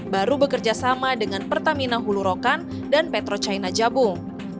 baru bekerja sama dengan pertamina hulu rokan dan petro china jabung